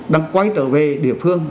đang quay trở về địa phương